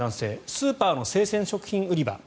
スーパーの生鮮食品売り場